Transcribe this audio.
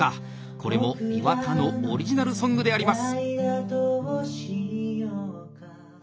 これも岩田のオリジナルソングであります。